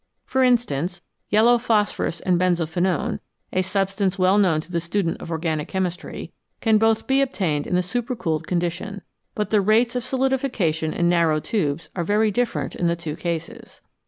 For instance, yellow phosphorus and benzophenone (a substance well known to the student of organic chemistry) can both be obtained in the supercooled condition, but the rates of solidification in narrow tubes are very different in the two cases.